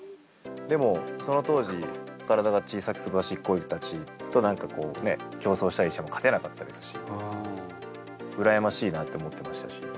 でもその当時体が小さくすばしっこい人たちと何か競走したりしても勝てなかったですし羨ましいなと思ってましたし。